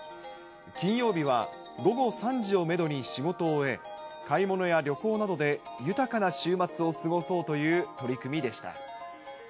金曜日は午後３時をメドに仕事を終え、買い物や旅行などで豊かな週末を過ごそうという取り組みでした。